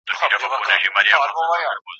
خدایه څه بدرنګه شپې دي د دښتونو په کیږدۍ کي